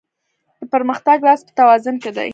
د پرمختګ راز په توازن کې دی.